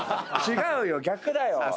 違うよ！